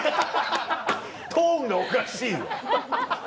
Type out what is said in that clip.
トーンがおかしいよ。